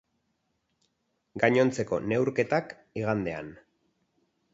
Gainontzeko neurketak, igandean.